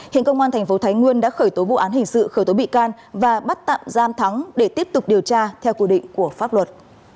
hiện công an tp thái nguyên đã khởi tố vụ án hình sự khởi tố bị can và bắt tạm giam thắng để tiếp tục điều tra theo quy định của pháp luật